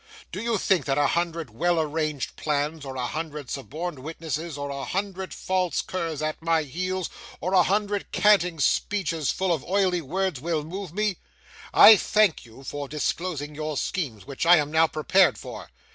Do you think that a hundred well arranged plans, or a hundred suborned witnesses, or a hundred false curs at my heels, or a hundred canting speeches full of oily words, will move me? I thank you for disclosing your schemes, which I am now prepared for.